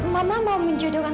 mama mau menjodohkan